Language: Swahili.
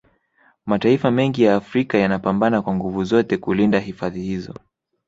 Mataifa mengi ya Afrika yanapambana kwa nguvu zote kulinda hifadhi hizo